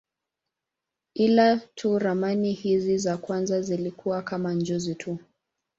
Ila tu ramani hizi za kwanza zilikuwa kama njozi tu.